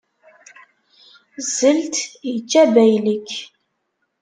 Zzelt ičča baylek.